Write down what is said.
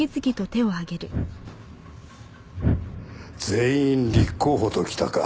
全員立候補ときたか。